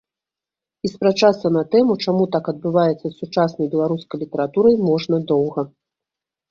І спрачацца на тэму, чаму так адбываецца з сучаснай беларускай літаратурай, можна доўга.